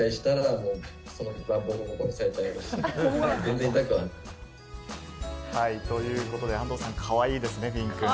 飼い主さんは。ということで、安藤さん、かわいいですね、フィンくん。